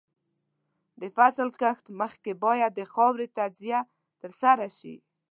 د فصل کښت مخکې باید د خاورې تجزیه ترسره شي.